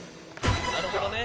なるほどね。